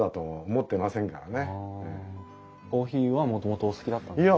コーヒーはもともとお好きだったんですか？